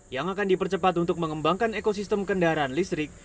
yang akan dipercepat untuk mengembangkan ekosistem kendaraan listrik